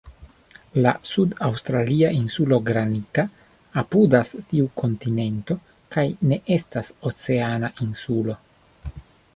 La sud-aŭstralia Insulo Granita apudas tiu kontinento kaj ne estas "oceana" insulo.